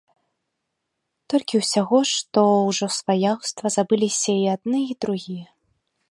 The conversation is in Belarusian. Толькі ўсяго што ўжо сваяўства забыліся й адны і другія.